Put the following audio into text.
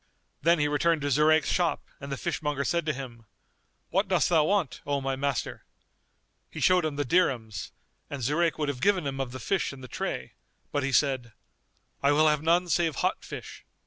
Then he returned to Zurayk's shop and the fishmonger said to him, "What dost thou want, O my master?"[FN#245] He showed him the dirhams and Zurayk would have given him of the fish in the tray, but he said, "I will have none save hot fish."